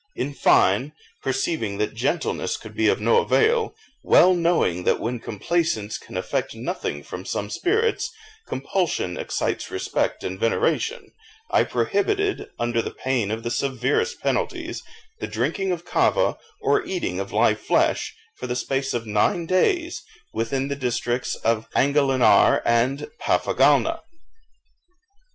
In fine, perceiving that gentleness could be of no avail, well knowing that when complaisance can effect nothing from some spirits, compulsion excites respect and veneration, I prohibited, under the pain of the severest penalties, the drinking of kava, or eating of live flesh, for the space of nine days, within the districts of Angalinar and Paphagalna.